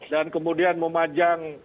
dan kemudian memajang